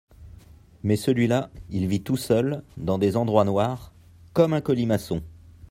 Mais celui-là, il vit tout seul, dans des endroits noirs, comme un colimaçon !…